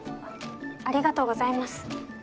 ありがとうございます。